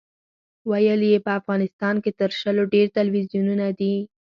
ویل یې په افغانستان کې تر شلو ډېر تلویزیونونه دي.